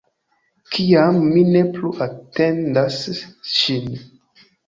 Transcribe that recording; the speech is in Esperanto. Kiam mi ne plu atendas ŝin.